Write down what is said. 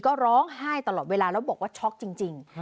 ก็ร้องไห้ตลอดเวลาแล้วบอกว่าช็อกจริง